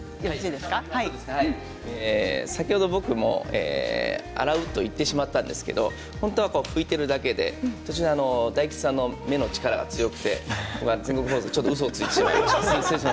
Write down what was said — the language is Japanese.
先ほど僕も洗うと言ってしまったんですけど本当は拭いているだけで大吉さんの目の力が強くてうそをついてしまいました。